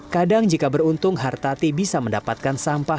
kadang jika beruntung hartati bisa mendapatkan sampah